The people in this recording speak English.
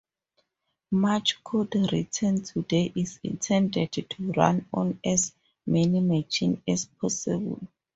Much code written today is intended to run on as many machines as possible.